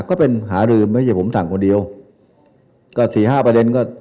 ก็เป็นปฏิหรอเดี๋ยวพูดเลยเดี๋ยวไม่ตื่นเต้นไง